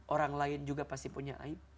orang lain juga pasti punya aib